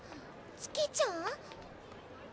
月ちゃん？